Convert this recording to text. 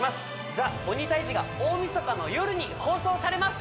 「ＴＨＥ鬼タイジ」が大晦日の夜に放送されます！